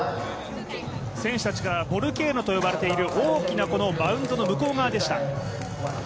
ボルケーノと呼ばれている大きなマウントの向こうでした。